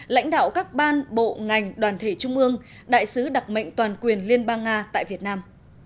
lãnh đạo các ban bộ ngành đoàn thể trung ương đại sứ đặc mệnh toàn quyền liên bang nga tại việt nam